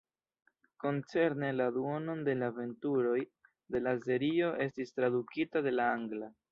Koncerne la duonon de la aventuroj de la serio estis tradukita en la angla.